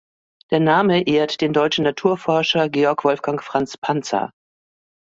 Der Name ehrt den deutschen Naturforscher Georg Wolfgang Franz Panzer.